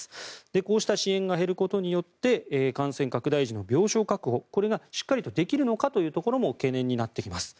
こうした支援が減ることによって感染拡大時の病床確保、これがしっかりとできるのかというところも懸念になってきます。